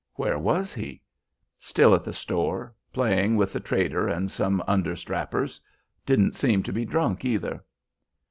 "Where was he?" "Still at the store, playing with the trader and some understrappers. Didn't seem to be drunk, either."